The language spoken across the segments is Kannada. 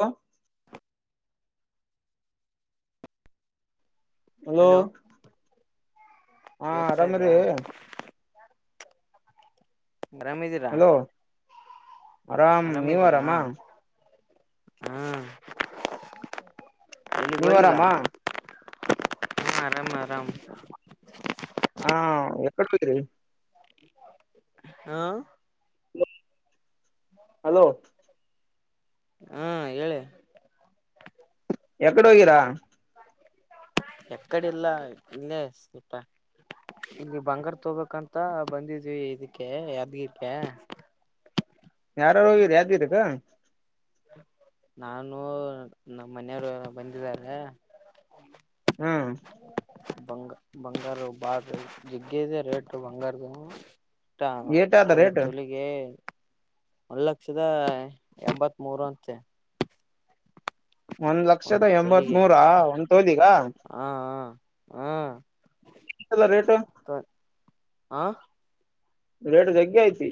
ಹ ಹಲೋ ಹಾ ಕೇಳ್ಸ್ತಾ ಇದ್ಯಾ ಆರಾಮ್ರೀ ಗ್ರಾಮ ಇದೀರಾ ಹಲೋ ಆರಾಮ್ ನೀವ್ ಆರಾಮ ಹ್ಮ್ ಇಲ್ಲಿಗ್ ನೀವ್ ಹೋಗಿಲ್ಲ ಆರಾಮ ಮಮ ಮಾಮ ಹಾ ಯಾಕತರಿ ಹಾ ಹಲೋ ಹಾ ಹೇಳ ಎಕಡೆ ಹೋಗಿರಾ ಎಕ್ಕಡೆ ಇಲ್ಲ ಇಲ್ಲೇ ಸ್ಪ ಇಲ್ಲಿ ಬಂಗಾರ ತೋಗಬೇಕಂತ ಬಂದಿದ್ೀವಿ ಇದಕ್ಕೆ ಯಾದ್ಗಿಕ ಯಾರಾರು ಹೋಗರಿ ಯಾವ್ದೀರಿಕ್ಕ ನಾನು ನಮ್ಮ ಮನೆಯವರು ಬಂದಿದ್ದಾರೆ ಹ್ಮ್ ಬಂಗ ಬಂಗಾರ ಬಾ ಜಿಗ್ಗ ಇದೆ ರೇಟ್ ಬಂಗಾರ ಊ ಏಟ ಅದ ಒಂದ ರೇಟ್ ತೊಲಿಗೆ ಒಂದ್ ಲಕ್ಷದ ಎಂಬತ್ ಮೂರು ಅಂತೆ ಒಂದ್ ಲಕ್ಷದ ಎಂಬತ್ ಮೂೂರ ಒಂದ ತೋಲಿಿಗ ಹ್ಮ ಎಲ್ಲ ರೇಟ ಆ ರೇಟು ಜಗ್ಗೆ ಐತಿ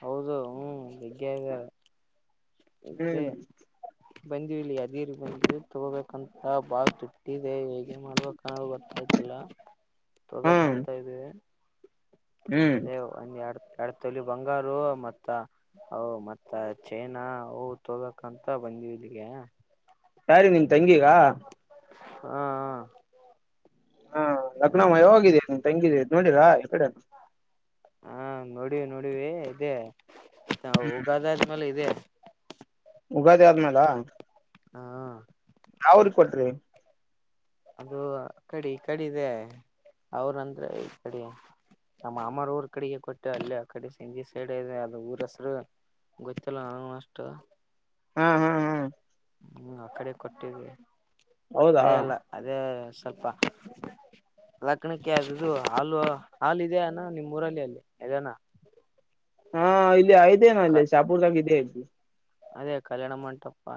ಹೌದು ಹ್ಮ್ ಬೆಗ್ಗ ಹ್ಮ್ ಬಂದಲ್ಲಿ ಅದಿರಿ ಬಂದ ತಗೋಬೇಕಂತ ಬಾಲ್ ತುಟ್ಟಿ ದೇ ಹೇಗೆ ಮಾಡುವ ಕ ಬರ್ತಾ ಇತಿಲ್ಲ ಹ್ಮ್ ತೊಬೇಕಕ್ಂತ ಇದವಿ ಹ್ಮ್ ಅದೇ ಒಂದ ಎಡ್ ಎಡತ ಬಂಗಾರ ಮತ್ತ ಅ ಮತ್ತ ಚೈನಾ ಅ ತೊಬೇಕಂತ ಬಂದವಿ ಇಲ್ಲಿಗೆ ಸಾರಿ ನಿನ್ ತಂಗಿಗ ಹಾ ಹ ಹಾ ಲಗ್ನ ಮಾಯ ಹೋಗಿದೆ ತಂಗಿದ ನೋಡಿರಾ ಈ ಕಡೆ ಹಾ ನೋಡವಿ ನೋಡವಿ ಇದೇ ಹೋಗ ಆದ್ಮೇಲೆ ಇ ಅ ಉಗಾದಿ ಆದ್ಮೇಲೆ ಹಾ ಅವಾವ್ರಿಗೆ ಕೊಟ್ರಿ ಅದು ಕಡೆ ಈ ಕಡೆ ಇದೆ ಅವ್ರ ಅಂದ್ರೆ ಈ ಕಡೆ ನಮ್ಮ ಅಮರ ಊರ್ ಕಡೆಗೆ ಕೊಟ್ಟು ಅಲ್ಲಿ ಆ ಕಡೆ ಸಿಂಜಿ ಸೈಡ್ ಇದೆ ಅದು ಊರಸರು ಗೊತ್ತಿಲ್ಲ ನೂ ಅಷ್ಟ ಹಾ ಹಾ ಹಾ್ ಹ್ಮ್ ಆ ಕಡೆ ಕೊಟ್ಟವಿ ಹೌದಾ ಅದೇ ಸ್ವಲ್ಪ ದಕ್ಕಣಿಕ ಆದದು ಹಾಲು ಹಾಲು ಇದ ಅನಾ ನಿಮ್ಮ್ ಊರಲ್ಲಿ ಅಲ್ಲಿ ಅನಾ ಹಾ ಇಲ್ಲಿ ಯೇನ ಅಲ್ಲಿ ಶಾಪೂರ್ದಾಗ ಹ್ಮ ಅದೇ ಕಲ್ಯಾಣ ಮಂಟಪ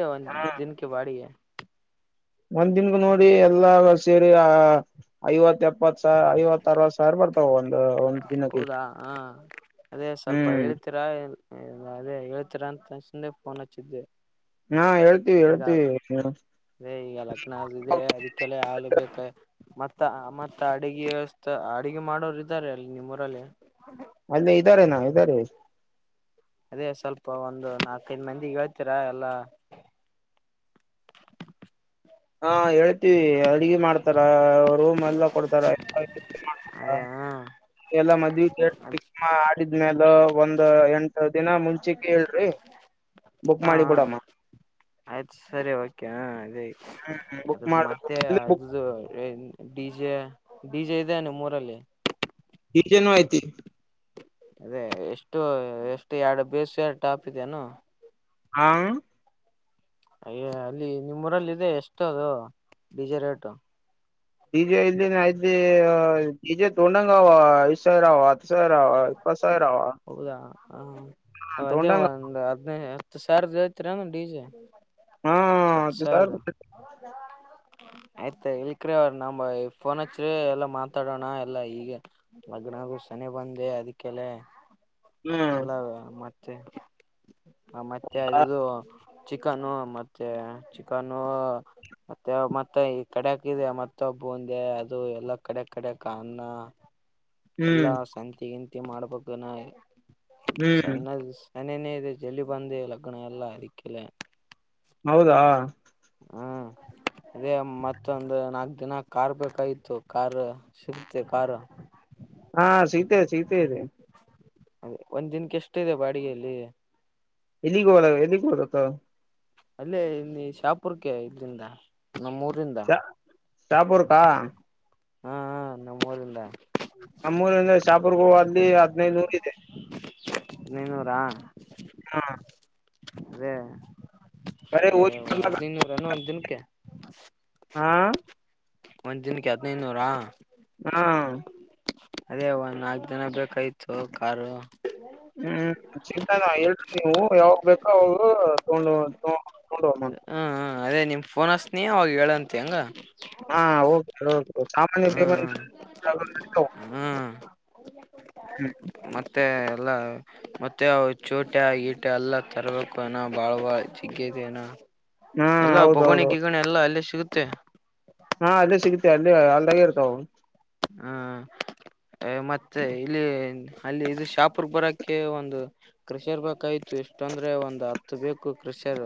ದೇವನ್ ದಿನಕ್ಕೆ ಬಾಡಿ ಒಂದ್ ದನ್ಗ ನೋಡಿ ಎಲ್ಲ ಸೇರಿ ಆ ಐವತ್ ಎಪ್ಪತ್ ಐವತ್ತು ಅರವ ಸರ್ ಬರ್ ಒಂದು ಒ ಹೌದಾ ಹಾ ಅದೇ ಸ್ವಲ್ಪ ಹ್ಮ್ ಹೇಳ್ತೀರಾ ಇಲ್ಲ ಅದೇ ಹೇಳ್ತೀರ ಅಂತ ಅನ್ಸೆ ಫೋನ್ ಹಚ್ಚಿದ್ದೆ ಹಾ ಹೇಳ್ತೀವಿ ಈಗ ಹೇಳ್ತೀವಿ ಅೇ ಈಗ ಲಗ್ನ ಇದೆ ಅದಕ್ಕೆಲ್ಲ ಹಾಲು ಬೇಕೆ ಮತ್ತ ಮತ್ತ ಅಡಗೆ ವ್ಯವಸ್ಥ ಅಡಗೆ ಮಾಡೋರು ಇದ್ದಾರೆ ಅಲ್ಲಿ ನಿಮ್ಮ್ರು ಹರಲ್ಲ ಅಲ್ಲೇ ಇದ್ದಾರೆ ನ ಇದ್ದಾರೆ ಅದೇ ಸ್ವಲ್ಪ ಒಂದು ನಾಕೈದ್ ಮಂದಿ ಹೇಳ್ತೀರಾ ಎಲ್ಲಾ ಹಾ ಹೇಳ ಅಡ್ಗೆ ಮಾಡ್ತಾರ ರೂಮ್ ಎಲ್ಲ ಕೊಡ್ತಾರ್ತಾರ ಅದೇ ಹ ಎಲ್ಲ ಮದ್ ಆದ್ಮೇಾಲ ಒಂದ್ ಎಂಟ ದಿನ ಮುಂಚಿಕ ಹೇಳ್ರಿ ಬುಕ್ ಹಾ ಮಾಡಿ ಬಿಡಮ್ಮ ಆಯ್ತು ಸರಿ ಓಕೆ ಹ ಹ್ಮ್ ಬುಕ್ ಅದು ಮಾಡ್ಬೇಕು ಮತ್ತೆ ಬುಕ್ ಅದು ಡಿಜೆ ಡಿಜೆ ಇದದೆಾನ ಮೂರಲ್ಲಿ ಈಜನು ಆಹ್ತಿ ಅದೇ ಎಷ್ಟು ಎಷ್ಟು ಎರಡು ಬೇಸ ಎ ಟಾಪ್ ಇದಾನ ಹಾ ಅಯ್ಯ ಅಲ್ಲಿ ನಿಮ್ಮೂಊರಲ್ಲಿ ಇದೆ ಎಷ್ಟು ಅದು ಬೀಜ ರೇಟ್ು ನಿಜ ಇಲ್ಲಿ ಆಯ್ತು ಅ ಈಜ ತ ಉೊಂಡಂಗ ಐರ ಅವ ಕಸರಾವ ಕಸಾಯ ರಾವ ಹಾ ರಜೆ ಒಂದು್ ಹದ್ಿನೈದು ಸರ್ ಜಯತರನು ಡಿಜೆ ಹಾ ಅ ಹತ್ತು ಸ ಇದ ಸಾವಿರ ಆಯ್ತ ಇಲ್ಕ್ರೀ ಅವ ನಮ ಫೋನ್ ಹಚ್ಚ್ರ ಎಲ್ಲಾ ಮಾತಾಡೋಣ ಎಲ್ಲಾ ಈಗ ಲಗ್ನಗು ಶನಿ ಬಂದ ಇ ಅದಕ್ಕೆಲ್ಲ ಅಲ್ಲ ಮತ್ತೆ ತ್ತೆ ಹ ಮತ್ತೆ ಅದುದು ಚಿಕನು ಮತ್ತೆ ಚಿಕನು ಮತ್ತೆ ಮತ್ತೆ ಈ ಕಡಕ್ ಇದೆ ಮತ್ತೆಬ್ಬ ಒಂದೆ ಅದು ಎಲ್ಲ ಕಡೆ ಕಡಕ್ ಅನ್ನ ಹ್ಮ್ ಏಂತ ಮಾಡ್ಬೇಕನ ಹ್ಮ್ ಸನ ನನನೇ ಇದೆ ಜಲ್ಲಿಿ ಬಂದ ಲಗ್ನ ಎಲ್ಲ ಅದಿಕ್ಕೆಲ್ಲ ಹೌದಾ ಹ್ಮ್ ಅೇ ಮತ್ತೊಂದು ನಾಲ್ಕ್ ದಿನ ಕಾರ್ ಬೇಕಾಗಿತತ್ತು ಕಾರ್ ಸಿಗ್ತೆ ಕಾರ್ು ಹಾ ಸೀತೆ ಸೀತೆ ಇದೆ ಅದೇ ಒಂದ್ ದಿನಕ್ಕೆ ಎಷ್ಟು ಇದೆ ಬಾಡಿಗೆಯಲ್ಲಿ ಎಲ್ಲಿಗೋಲ ಎಲ್ಲಿಗ ಹದಕ್ಕ ಅಲ್ಲೇ ಇ ಶಾಪುರ್ಕ್ಕೆ ಇದರಿಂದ ಶ ಶಾಪುರ್ಕಾ ಹಾ ನಮ್ಮ ಊರಿಂದ ನಮ್ಮೂರ್ ಅಂದ್ರೆ ಚಾಪುರ್ಗೋ ಅ್ಲ್ಲಿ ಹದ್ನೈದು ನೂರ ಇದೆ ನೀನ್ನೂರಾ ಹಾ ಅದೇ ಏ ಹೋಗಿ ಬರ್ಲಕ್ಕ ಹದಿನೈನೂರನ್ನು ಒಂದ್ ದಿನಕ್ಕೆ ಹಾ ಒಂದ್ ದಿನಕ್ಕೆ ಹದಿನೈದುನೂರಾ ಹಾ ಅದೇ ಒಂದ್ ನಾಕ್ು ಜನ ಬೇಕಾಯ್ತು ಕಾರು ಹ್ಮ್ ಚಗ್ ಹೇಳ್ತ ನೀವು ಯಾವಾಗ ಬೇಕೋ ಅವ ಹ್ಮ ಹಾ ಅದೇ ನಿಮ ಫೋನ್ ಹಸ್ನ ಅವಾಗ ಹೇಳಂತೆಿ ಹಂಗ ಹ ಸಾಮನ್ಯ ಬೆಮ ಹ್ಮ್ ಹ್ಮ್ ಹ್ಮ ಮತ್ತೆ ಎಲ್ಲ ಮತ್ತೆ ಚೋಟ ಗೀಟ ಎಲ್ಲ ತರ್ಬೇಕು ಅನ ಬಾಳ್ ಬಾಳ್ ಚಿಗ್ಗದ ನ ಹಾ ಎಲ್ಲಾ ಬಗಣಿ ಹೌದೌದೌದು ಗಿಗಣಿ ಎಲ್ಲ ಅಲ್ಲು ಚಿಕತೆ ಅಲ್ಲಿ ಅಲ್ದಾಗೆ ಇರ್ತಾವ ಹ್ಮ ಅ ಮತ್ತೆ ಇಲ್ಲಿ ಅಲ್ಲಿ ಇದು ಶಾಪರ್ ಬರಕ್ಕೆ ಒಂದು ಕೃಷಿಯರ್ ಬೇಕಾಯ್ತು ಎಷ್ಟ ಅಂದ್ರೆ ಒಂದು್ ಹತ್ತು ಬೇಕು ಕೃಷಿಯರ್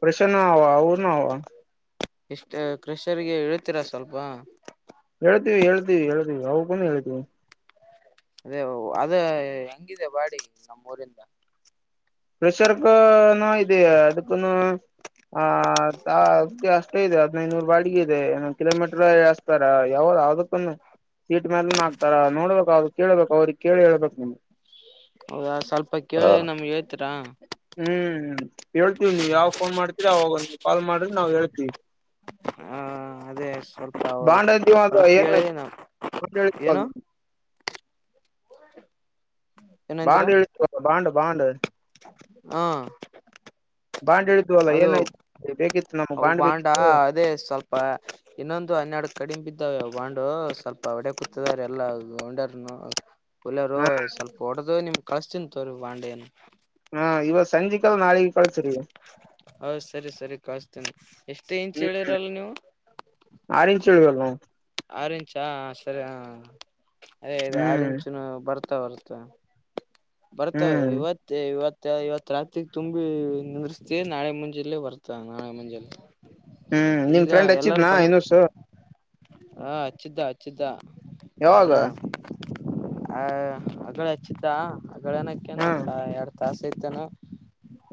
ಪ್ರಷ್ ನ ಹ ವು ನ ಹವ ಎಷ್ಟ ಕ್ರಷರ್ಗೆ ಇಳ್ತೀರಾ ಸ್ವಲ್ಪ ಹೇಳ್ತೀವಿ ಹೇಳ್ತೀವಿ ಹೇಳ್ತಿೀವಿ ಅಗೂ ಹೇಳ್ತಿೀವಿ ಅದೇ ಅದ ಹೆಂಗಿದೆ ಬಾಡಿ ನಮ್ಮೂರಿಂದ ಪ್ರೆಷರ್ಕ ಇದೆಯ ಅದಕ್ಕನು ಆ ಅದ್ ಅಷ್ಟೇ ಇದೆ ಹದ್ನೈನೂರು ಬಾಡಿಗೆ ಇದೆ ಏ ಕಿಲೋಮೀಟರ್ ಎಸ್ತಾರ ಯಾವ ಅದಕ್ಕ ಸೀಟ್ ಮೇಾಲ ಹಾಕ್ತಾರ ನೋಡ್ಬೇಕ ಅವ ಕೇಳ್ಬೇಕ ಅವ್ರ ಕಿ ಹೇಳ್ಬೇಕುಗೆ ಹೌದಾ ಸ್ವಲ್ಪ ಕೇಳಿ ನಮ್ಗೆ ಹೇಳ್ತೀರಾ ಹ್ಮ್ ಹೇಳ್ತೀವಿ ನೀವ್ ಯಾವ ಫೋನ್ ಮಾಡ್ತೀರಿ ಅವಾಗ ಕಾಲ್ ಮಾಡ್ರ ನಾವ್ ಹೇಳ್ತಿೀವಿ ಆ ಅದೇ ಸ್ವಲ್ಪ ಅವರು ಬಾಂಡ ಇದ್ದೀವ ಅ ಅವ್ರಿಗೆ ಏನ ಕೇಳಿ ನಾ ಏನು ಬಾಂಡ ಏನಂತೀರಾ ಬಾಂಡ ಬಾಂಡ ಹಾ ಬಾಂಡ್ ಹಿಡಿದ್ವಲ್ಲ ಅದು ಏನಾಯ್ತು ಬೇಕಿತ್ತು ನಮ್ಗ್ ಅ ಬಾಂಡ್ ಬಾಂಡಾ ಬೇಕಿತ್ತು ಅದೇ ಸ್ವಲ್ಪ ಇನ್ನೊಂದು ಹನ್ನೆರಡು ಕಡಿಮೆಿದ್ದು ಾವ ಬಾಂಡು ಸ್ವಲ್ಪ ಹೊಡೆ ಕೂತದಾರ ಎಲ್ಲಾ ಗಂಡರ್ ಹುಲರು ಹಾ ಸ್ವಲ್ಪ ಹೊಓಡದು ನಿಮ ಕಳಿಸ್ತೀನ ತೋರಿ ಬಾಂಡ ನು ಹಾ ಇವ ಸಂಜೆ ಕಾಲ ನಾಳೆಗೆ ಕಳಚರ್ ಹೌದ ಸರಿ ಸರಿ ಕಳ್ಸ್ತೇನಿ ಹ್ಮ ಆರೆಂಚುಳ ಆರೆಂಚಾ ಸರಿ ಅದೇ ಅದೇ ಹ್ಮ್ ಆರೆಂಚುನು ಬರ್ತ ಇತ ಬರ್ತ ಬರ್ತ ಹ್ಮ್ ಇವತ್ತು ಇವತ್ತು ಮ ಇವತ್ ರಾತ್ರಿ ತುಂಬಿ ನಿರ್ಸ್ತ ನಾಳೆ ಮುಂಜೆಯಲ್ಲೆ ಬರ್ತ ನಾಳೆ ಮುಂಜಲ್ಲ ಹ್ಮ್ ನಿನ್ ಫ್ರೆಂಡ್ ಹಚ್ಚಿದ್ನಾ ನಸ ಹಾ ಹಚ್ಚಿದ್ದ ಹಚ್ಚಿದ್ದ ಯಾವಾಗ ಇನ್ನು ಆ ಮಗಳ ಹಚ್ಚಿತಾ ಗಳನಕ್ಕೇಂತ ಹ್ಮ್ ತ ಸಹತನ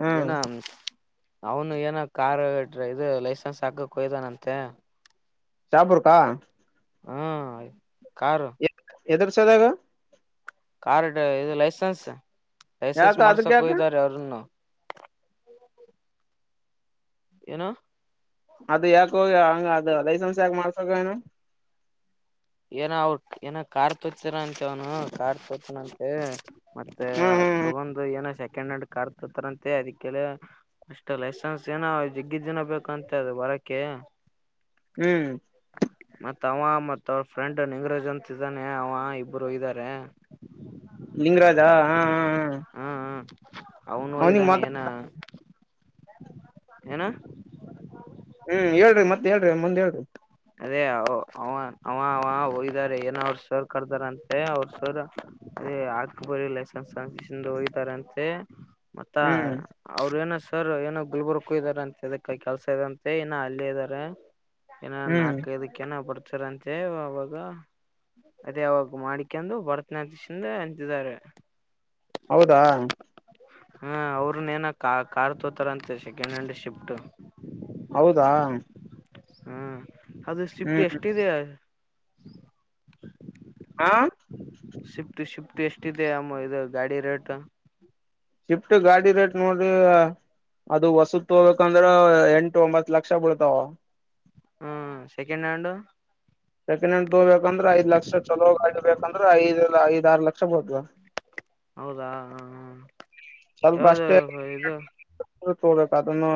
ಹ್ಮ್ ಜನ ಅವನು ಏನ ಕಾರ್ ಇದು ಲೈಸೆನ್ಸ್ ಹಾಕಕ್ ಕೊಯ್ದಾನಂತೆ ಚಾಪುರ್ಕಾ ಹ್ಮ ಕಾರ ಎದರ್ ಸದಾಗ ಕಾರ್ಡ್ ಇದು ಲೈಸನ್ಸ್ ಲಐಸೆನ್ಸ್ ಯಾಕ ಅದಕ್ ಯಾಕ ಮಾಡ್ಸಕೋೋಗ್ದಾರೆ ಅವ್ರನ್ನು ಏನ ಅದು ಯಾಕ ಹೋಗ ಹಂಗ ಅದ ಲೈಸೆನ್ಸ್ ಯಾಕೆ ಮಾಡ್ಸಕ ಏನು ಏನ ಅವಟ್ ಏನ ಕಾರ್ ತೋತರ ಅಂತೆ ಅವನು ಕಾರ್ ತೋತನ ಅಂತೆ ಮತ್ತೆ ಹ್ಮ್ ಹ್ಮ್ ತಗೊಂಡ ಏನೋ ಶತಿ ಕೆಡ್ ಕಾರ್ತತಾರಂತೆ ಅದಕ್ಕೆಲ್ಲ ಅಷ್ಟ ಲೈಸೆನ್ಸ್ ಏನೋ ಜಿಗ್ಗಿದ್ದಏನ ಬೇಕಂತೆ ಅದು ಬರಕೆ ಹ್ಮ್ ತವಾಮ ಮ ಅವ್ರ ಫ್ರೆಂಡ್ ನಿಂಗರಜ್ ಅಂತ ಇದ್ದಾನೆ ಅವ ಇಬ್ರು ಇದ್ದಾರೆ ಲಿಂಗರಾಜಾ ಹಾ ಹಾ ಹ್ಮ ಅವನು ಅವ್ನಿಗ್ ಹೋಗಿದ್ದಾನೆ ಮಾತ ಏನ ಏನ ಹ್ಮ್ ಹೇಳ್ರಿ ಮತ್ತತ್ ಹೇಳ್ರಿ ಮುಂದ್ ಹೇಳ್ರಿ ಅದೇ ಅವ ಅವ ಅವ ಹೋಗಾರ ಏನ ಅವ್ರ ಸೋರ್ ಕಡದಾರ ಅಂತೆ ಅವ್ರ ಸರ್ ಅದೇ ಆಕ್ ಬರ ಲೈಸೆನ್ಸ್ನ್ನ್ ಹೋಗಿದಾರಂತೆ ಮತ್ತ ಹ್ಮ್ ಅವ್ರ ಏನ ಸರ್ ಏನು ಗುಲ್ಬುರ್ಗಕ್ಕೂ ಇದ್ದಾರೆ ಅಂತೆ ಇದಕ್ಕೆ ಕೆಲ್ಸ ಇ ಅಂತೆ ನ ಅಲ್ಲ ಇದ್ದಾರೆ ಹ್ಮ್ ನಾಕ ಇದಕ್ಕೆನ ಬ ಸ ಅಂತೆ ಅವಾಗ ಅದೇ ಅವಾಗ ಮಾಡಿಕಂದು ಭರತನಾಟೀಶಂದ ಅಂತಿದ್ದಾರೆ ಹೌದಾ ಹಾ ಅವ್ರನ್ ಏನ ಕಾರ್ ತೋತಾರ ಅಂತೆ ಸೆಕೆಂಡ್ ಹ್ಯಾಂಡ್ ಶಿಫ್ಟ್ ಹೌದಾ ಹೂ ಅದು ಶಿಫ್ಟ್ ಹ್ಮ್ ಎಷ್ಟಿದೆೆ [inaudible] ಆ ಶಿಫ್ಟ್ ಶಿಫ್ಟ್ ಎಷ್ಟಿದೆ ಅಮ್ಮ ಇದು ಗಾಡಿ ರೇಟ್ ಶಿಫ್ಟ್ ಗಾಡಿ ರೇಟ್ ನೋಡ್ರ ಅದು ವಸುತ್ ತೋಗೊಬೇಕಂದ್ರ ಎಂಟು ಎಂಟು ಒಂಬತ್ ಲಕ್ಷ ಬೀಳ್ತಾವ ಹ್ಮ ಸೆಕೆಂಡ್ ಹ್ಯಾಂಡ್ ಸೆಕೆಂಡ್ ಹ್ಯಾಂಡ್ ತಗೋಬೇಕಂದ್ರೆ ಐದ ಲಕ್ಷ ಚಲೋ ಗಾಡಿ ಬೇಕ್ ಅಂದ್ರ ಐದಇಲ್ಲ ಐದು ಆರ್ ಲಕ್ಷ ಬೀಳ್ತುದ ಹೌದಾ ಹ ಹ ಸ್ವಲ್ಪ ಅಷ್ಟೇ [unintelligible] ತೋಗಬೇಕ ಅದನ್ನು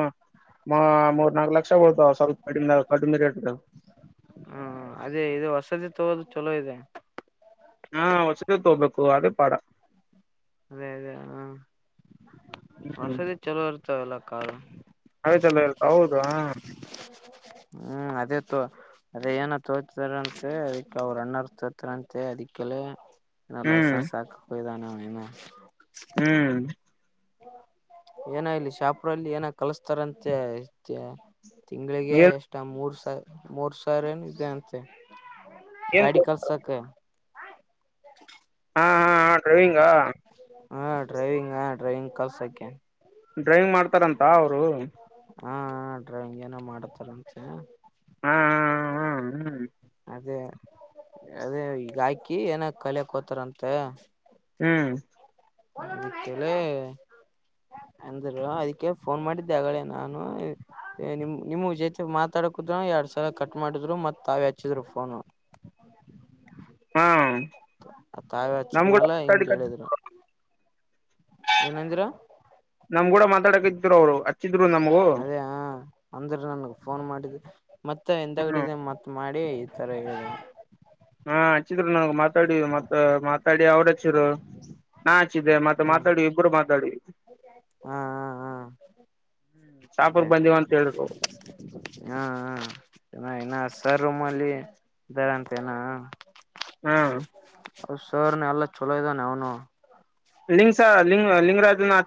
ಮೂರು- ನಾಲ್ಕು ಲಕ್ಷ ಬೀಳ್ತಾವ ಸ್ವಲ್ಪ ಕಡಿಮದಾಗ ಕಡಿಮೆ ರೇಟ್ ದಾಗ ತೊಗೊಳೋಧು ಚಲೋ ಇದೆ ಹಾ ಹೊಸಧೆ ತೋಗ್ಬೇಕು ಅದೇ ಪಾಡ ಅದೇ ಅದೇ ಹಾ ಹ್ಮ್ ಹೊಸದು ಚಲೋ ಇರ್ತವೆ ಎಲ್ಲ ಕಾರು ಹಾ ಹೂ ಅದೇ ತೋ ಅದೇ ಏನ ತೂಗೊತಿದರಂತೆ ಅದಕ್ಕೆ ಅವ್ರು ಅನ್ನ್ಣರ್ ತೋರ್ತಾರಂತೆ ಅದಕ್ಕೆಲ್ಲ ಇ ಹ್ಮ್ ಲೈಸೆನ್ಸ್ ಹಾಕಕ ಹೋಗಿದನ [unintelligible] ಹ್ಮ್ ಏನೋ ಇಲ್ಲಿ ಶಾಪೂರಅಲ್ಲಿ ಏನ ಕಲಸ್ತಾರಂತೆ ತಿಂಳಿಗೆ ಏನ್ ಎಷ್ಟ ಮೂರ್ ಸ- ಮೋರ್ ಸಾವಿರ ಇದೆ ಅಂತೆ ಏನ್ ಗಾಡಿ ಕಲ್ಸಕೆ [unintelligible] ಹಾ ಹಾ ಹ ಡ್ರೈವಿಂಗಾ ಹಾ ಡ್ರೈವಿಂಗ್ ಹಾ ಡ್ರೈವಿಂಗ್ ಕಲ್ಸಾಕೆ ಡ್ರೈವಿಂಗ್ ಮಾಡ್ತಾರಂತ ಅವರು ಹಾ ಡ್ರೈವಿಂಗ್ ಏನೋ ಮಾಡತಾರ ಅಂತೆ ಹಾ ಹಾ ಹಾ ಹ್ಮ್ ಅದೇ ಅದೇ ಈಗ ಹಾಕಿ ಏನ ಕಲಿಯಕ್ೋತಾರಂತ ಹ್ಮ್ ಅಕ್ಕೆೇಳ ಎಂದರು ಅದಕ್ಕೆ ಫೋನ್ ಮಾಡಿದ್ದೆ ಅಗೆ ನಾನು ನಿಮ ನಿಮ ಜೊತೆ ಮಾತಾಡಕುದ್ ಎರಡ್ ಸಲ ಕಟ್ ಮಾಡಿದ್ರು ಮತ್ ತಾವೇ ಹಚ್ಚಿದ್ರು ಫೋನು ಹಾ ಆ ತಾವೇ ಹಚ್ಚಿದ ನಮ್ ಕೂಡ ಮಲ ಹಿಂಗಗೆ ಮಾತಾಡಿ ಹೇಳಿದ್ರು ಏನಂದ್ರ ನಮ್ ಕೂಡ ಮಾತಾಡ ್ರ ಅವರು ಅದೇ ಅಂದ್ರ ನನ್ಗೆ ಫೋನ್ ಮಾಡಿದ್ದ ಮತ್ತ ಎಂದಡ ಮ ಮಾಡಿ ಈ ತರ ಹೇಳ ಹಾ ಹಚ್ಚಿದ್ರು ನನ್ಗ್ ಮಾತಾಡ ಮತ್ತ ಮಾತಾಡಿ ಅವ್ರ ಹಚ್ಚಿದ್ರು ನಾ ಹಚ್ಚಿದ್ದೆ ಮತ್ತೆ ಹ್ಮ್ ಮಾತಾಡಿ ಇಬ್ರು ಮಾತಾಡ ಹಾ ಹಾ ಹಾ ಶಾಪುರ್ ಅೇ ಬಂದಿವ ಅಂತ ಹೇಳಿದ್ರು ಹಾ ಹಾ ಚ ಸ ರೂಮ್ ಅಲ್ಲಿ ಇದರಂತೆೇನಾ ಹಾ ಸರ್ನ ಎಲ್ಲ ಚಲೋ ಇದ್ದಾನೆ ಅವನು ಲಿಂಗ್ಸ ಲಂಗ ಲಿಂಗರಾಜನಾಥ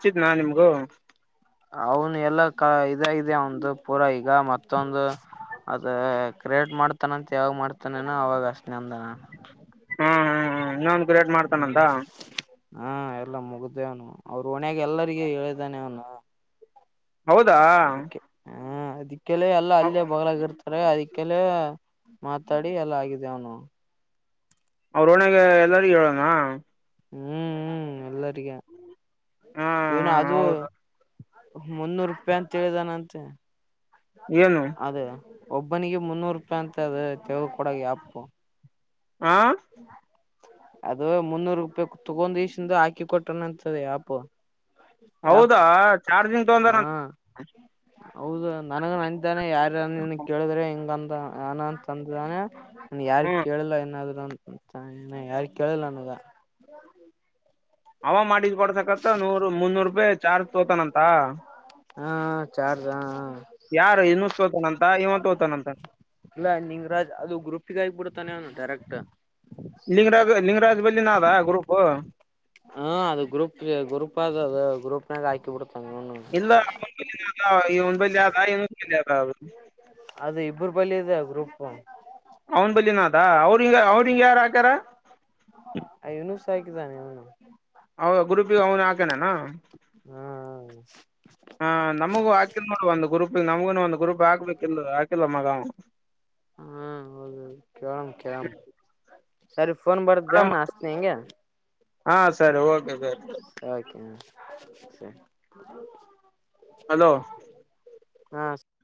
ಅವನು ಎಲ್ಲ ಕ ಇದ ಅವಂದು ಪೂರ ಈಗ ಮತ್ತೊಂದು ಅದ ಕ್ರಿಯೇಟ್ ಮಾಡ್ತಾನಂತ ಯಾವ ಮಾಡ್ತಾನೇನೋ ಅವಾಗ ಅಷ್ಟ ನಂದನ ಹಾ ಹಾ ಹಾ ಇನ್ನೊ ಒಂದ ಗ್ರೇಟ್ ಮಾಡ್ತಾನಂತ ಹ್ಮ್ ಹಾ ಎಲ್ಲ ಮುಗ್ದೇ ಅವನು ಅವರು ಒಣಾಗ ಎಲ್ಲರಿಗ ಹೇಳಿದ್ದಾನೆ ಅವನು ಹೌದಾ ಕೆಳ ಎಲ್ಲ ಅಲ್ಲೇ ಬಗ್ಲಾಗಿ ಇರ್ತಾರೆ ಅದ ಕೆಲ ಮಾತಾಡಿ ಎಲ್ಲ ಆಗಿದ ಅವನು ಅವ್ರ ಒಣಗೆ ಎಲ್ಲಾರೂ ಹೇಳೋಣ ಹ್ಮ್್ಮ ಎಲ್ಲರಿ ಹಾ ಏನ ಅದು ಹೌದು ಮುನ್ನೂರು ರೂಪಾಯಿ ಅಂತ ಹೇಳಿದಾನಂತೆ ಏನು ಅದೇ ಒಬ್ಬನಿಗೆ ಮುನ್ನೂರು ರೂಪಾಯಿ ಅಂತ ಅದ ತೆಗ ಕೊಡ ಯಪ್ಪು ಆಾ ಅದು ಮುನ್ನೂರು ರೂಪಾಯಿ ತಗೊಂಡ ಈಸಿಂದ ಹಾಕಿ ಕೊಟ್ಟಣಂತದೆ ಅಪು ಹೌದಾ ಚಾರ್ಜಿಂಗ್ ತೊಂದರಂತ ಹೌದಾ ನನಗ ನನಂತಾನೆ ಯಾರ ಕೇಳಿದ್ರೆ ಹಿಂಗಂತ ನನ ತಂದದಾನೆ ನ ಯಾರ ಹ್ಮ್ ಕೇಳಿಲ್ಲ ಏನಾದ್ರು ನ ಯಾರ ಕೇಳಿಲ್ಲ ನಾನಗ ಅವ ಮಾಡಿದ್ ಕೊಡ್ಸಕತ್ ನೂರು ಮುನ್ನೂರು ರೂಪಾಯಿ ಚಾರ್ಜ್ ತೋತಾನಂತ ಹಾ ಚಾರ್ಜ ಯಾರು ಇನ್ನು ತೋತಾನಂತ ಇವನ್ ತೋತಾನಂತಾನ ಇಲ್ಲ ಕರೆಕ್ಾ ಲಿಂಗರಾಜ ಲಿಂಗರಾಜ್ ಬಲ್ಲಿ ನಾದ ಗ್ರೂಪ್ ಹ್ಮ ಅದು ಗ್ರೂಪ್ ಗ್ರೂಪ್ ಅದು ಅದು ಗ್ರೂಪ್ನಾಗ ಹಾಕಿಡ್ ಇಲ್ಲ ಈ ಒಂದ ಬ ಆದ ಇ ಆದ ಅವರು ಅದು ಇಬ್ಬರು ಬಲದೆ ಗ್ರೂಪ್ ಅವ್ನ್ ಬಲಿನಾಾಥ್ ಅಾ ಅವ್ರ ಹಿಂಗ ಅವ್ರಿಂಗ ಯಾರು ಹಕಾರ ಕಕ್ಕೆ ಜಾನ ಅವ ಗ್ರೂಪಿಗೆ ಅವನು ಹಾಕನನಾ ಹಾ ಹ ನಮಗೂ ಹಾಕಿದ ನೋಡ ಒಂದು ಗ್ರೂಪ್ ನಮ ಇೊ ಒಂದು ಗುರುಬ ಹಾಬೇಕ ಇಲ್ ಹಾಕಿಲ್ಲ ಮಗ ಹ್ಮ ಹೌದು ಕೇಳಂ ಕಳಂ ಸರಿ ಫೋನ್ ಬರ್್ದ ನ ಅಸ್ನ ಹೆಿಂಗೆ ಹಾ ಸರಿ ಓಕೆ ಸರಿ ಸ ಸರಿ ಅಲೋ ಹಾ